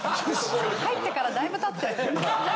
入ってからだいぶたってる。